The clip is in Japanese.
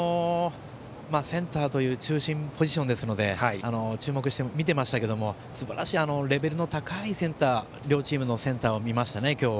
センターという中心ポジションなので注目して見ていましたがすばらしいレベルの高い両チームのセンターを見ました。